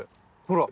ほら。